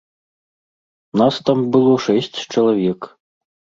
Нас там было шэсць чалавек.